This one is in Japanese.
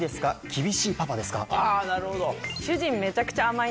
あなるほど。